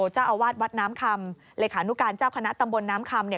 เจ้าอาวาสวัดน้ำคำเลขานุการเจ้าคณะตำบลน้ำคำเนี่ย